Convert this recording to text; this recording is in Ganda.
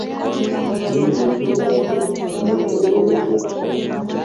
Ttiimu yaggyibwako ku mwetooloolo ogwokusatu.